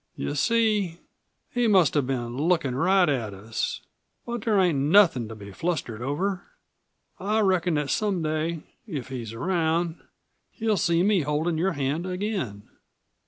"You see, he must have been lookin' right at us. But there ain't nothin' to be flustered over. I reckon that some day, if he's around, he'll see me holdin' your hand again."